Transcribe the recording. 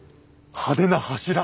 派手な柱！